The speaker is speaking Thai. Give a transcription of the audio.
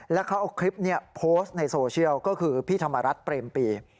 แล้วเขาเอาคลิปนี้โพสต์ในโซเชียลก็คือพี่ธรรมรัฐเปรมปี